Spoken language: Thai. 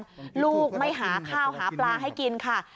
ลูกไม่หาข้าวหาปลาให้กินค่ะ